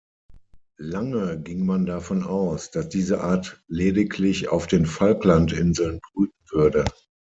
Lange ging man davon aus, dass diese Art lediglich auf den Falklandinseln brüten würde.